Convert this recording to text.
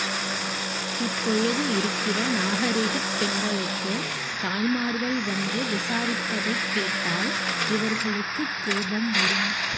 இப்பொழுது இருக்கிற நாகரிகப் பெண்களுக்கு தாய்மார்கள் வந்து விசாரிப்பதைக் கேட்டால் இவர்களுக்குக் கோபம் வரும்.